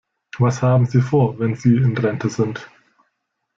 Was haben Sie vor, wenn Sie in Rente sind?